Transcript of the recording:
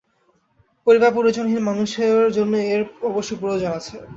পরিবারপরিজনহীন মানুষদের জন্যে এর অবশ্যি প্রয়োজন আছে।